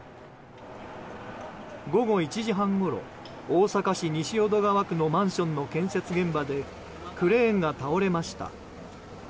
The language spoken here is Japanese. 午後１時半ごろ大阪市西淀川区のマンションの建設現場でクレーンが倒れました。